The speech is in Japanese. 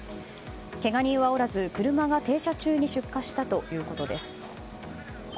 けが人はおらず、車が停車中に出火したということです。